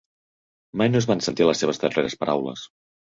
Mai no es van sentir les seves darreres paraules.